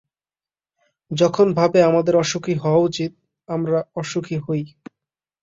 যখন ভাবে আমাদের অসুখী হওয়া উচিত, আমরা অসুখী হই।